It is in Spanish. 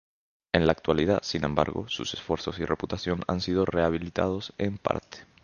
En la actualidad, sin embargo, sus esfuerzos y reputación han sido rehabilitados en parte.